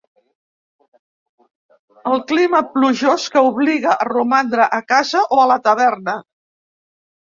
El clima plujós, que obliga a romandre a casa o a la taverna.